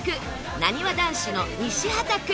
なにわ男子の西畑君